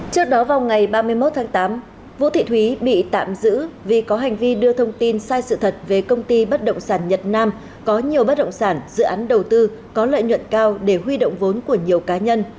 trước đó vào ngày ba mươi một tháng tám vũ thị thúy bị tạm giữ vì có hành vi đưa thông tin sai sự thật về công ty bất động sản nhật nam có nhiều bất động sản dự án đầu tư có lợi nhuận cao để huy động vốn của nhiều cá nhân